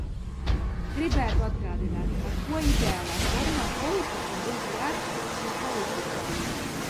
Gribētu atgādināt, ar ko ideālā formā politiķim būtu jāatšķiras no politikāņa.